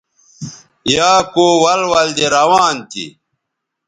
یا کو ول ول دے روان تھی